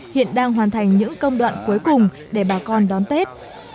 hiện đang hoàn thành những công đoạn cuối cùng để bà con đón tết